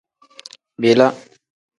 Bila.